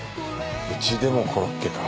うちでもコロッケか。